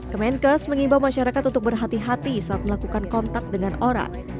kemenkes mengimbau masyarakat untuk berhati hati saat melakukan kontak dengan orang